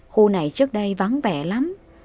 khu này trước đây vắng vẻ lắm